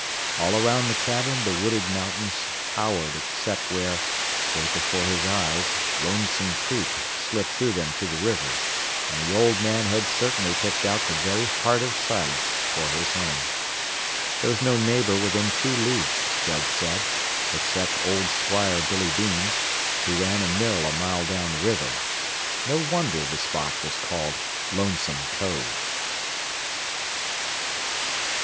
All around the cabin the wooded mountains towered except where, straight before his eyes, Lonesome Creek slipped through them to the river, and the old man had certainly picked out the very heart of silence for his home. There was no neighbour within two leagues, Judd said, except old Squire Billy Beams, who ran a mill a mile down the river. No wonder the spot was called Lonesome Cove.